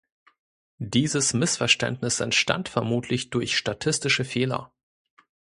Dieses Missverständnis entstand vermutlich durch statistische Fehler.